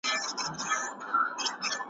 زه هوښیار یم خوله به څنګه خلاصومه `